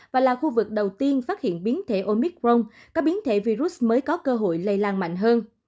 và là khu vực đầu tiên phát hiện biến thể omicron các biến thể virus mới có cơ hội lây lan mạnh hơn